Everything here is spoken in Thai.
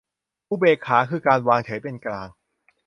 อุเบกขาคือการวางเฉยเป็นกลาง